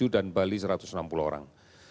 tujuh dan bali satu ratus enam puluh orang